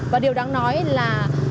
và điều đáng nói là